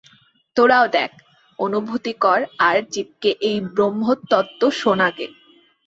তোরাও দেখ, অনুভূতি কর আর জীবকে এই ব্রহ্মতত্ত্ব শোনাগে।